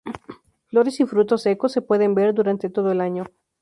Flores y frutos secos se pueden ver durante todo el año.